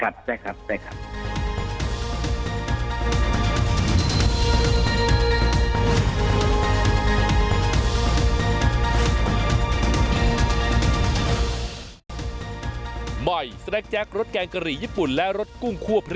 ได้ครับได้ครับได้ครับ